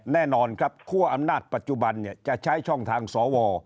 แน่นอนครับคั่วอำนาจปัจจุบันจะใช้ช่องทางสว